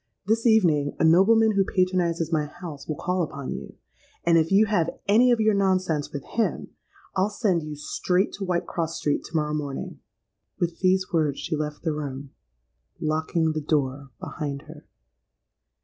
This evening a nobleman who patronizes my house, will call upon you; and if you have any of your nonsense with him, I'll send you straight to Whitecross Street to morrow morning.'—With these words she left the room, locking the door behind her.